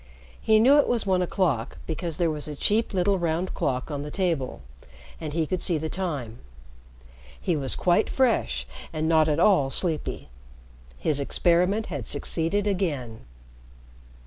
He knew it was one o'clock, because there was a cheap little round clock on the table, and he could see the time. He was quite fresh and not at all sleepy. His experiment had succeeded again.